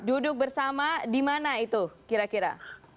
duduk bersama di mana itu kira kira